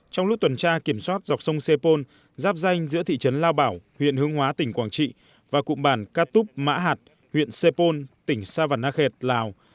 trong lúc tuần tra kiểm soát dọc sông sê pôn giáp danh giữa thị trấn lao bảo huyện hương hóa tỉnh quảng trị và cụm bàn cát túp mã hạt huyện sê pôn tỉnh sa văn na khệt lào